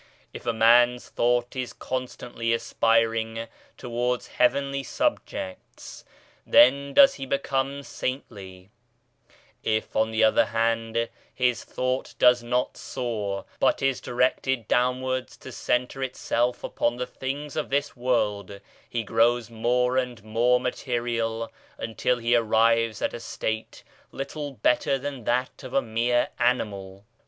If a man's thought is constantly aspiring towards heavenly subjects then does he become saintly; if on the other hand his thought does not soar, but is directed downwards to centre itself upon the things of this world, he grows more and more material until he arrives at a state little better than that of a mere animal.